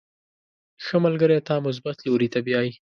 • ښه ملګری تا مثبت لوري ته بیایي.